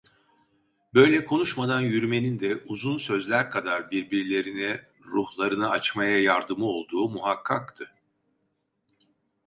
Böyle konuşmadan yürümenin de uzun sözler kadar birbirlerine ruhlarını açmaya yardımı olduğu muhakkaktı.